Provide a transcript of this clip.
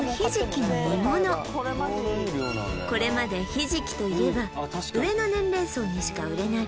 これまでひじきといえば上の年齢層にしか売れない